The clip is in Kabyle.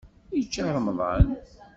Yečča remḍan.